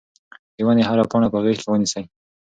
د ونې هره پاڼه په غېږ کې ونیسئ.